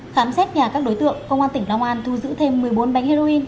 khám xét nhà các đối tượng công an tỉnh long an thu giữ thêm một mươi bốn bánh heroin